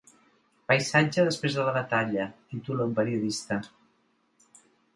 Paisatge després de la batalla, titula un periodista.